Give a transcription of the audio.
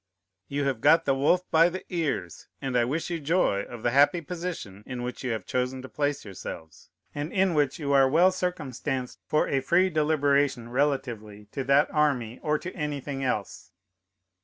You have got the wolf by the ears, and I wish you joy of the happy position in which you have chosen to place yourselves, and in which you are well circumstanced for a free deliberation relatively to that army, or to anything else.